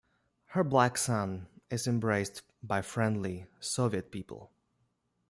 Her black son is embraced by friendly Soviet people.